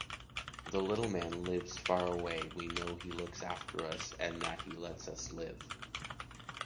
The little man lives far away, we know he looks after us and that he lets us live.